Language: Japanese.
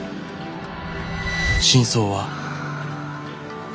「真相は」。